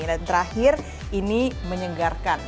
dan terakhir ini menyenggarkan